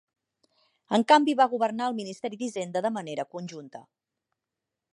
En canvi, va governar el Ministeri d'Hisenda de manera conjunta.